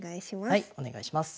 はいお願いします。